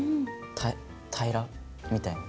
平ら？みたいな。